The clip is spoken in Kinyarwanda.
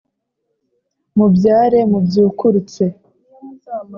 Mubyare mubyukurutse